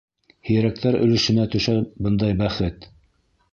Һирәктәр өлөшөнә төшә бындай бәхет.